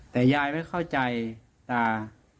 แต่ยายไม่เข้าใจตา